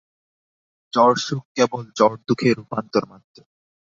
জড়সুখ কেবল জড়দুঃখের রূপান্তর মাত্র।